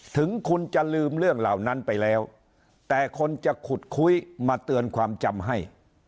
ถึงคุณจะลืมเรื่องเหล่านั้นไปแล้วแต่คนจะขุดคุยมาเตือนความจำให้